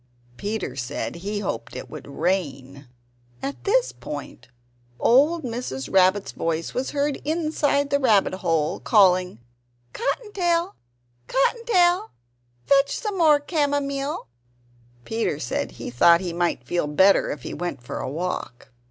Peter said he hoped that it would rain. At this point old Mrs. Rabbit's voice was heard inside the rabbit hole, calling: "Cotton tail! Cotton tail! fetch some more camomile!" Peter said he thought he might feel better if he went for a walk.